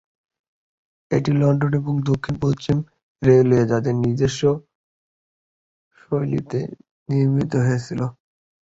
এটি লন্ডন এবং দক্ষিণ পশ্চিম রেলওয়ে তাদের নিজস্ব শৈলীতে নির্মিত হয়েছিল।